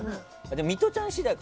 ミトちゃん次第か。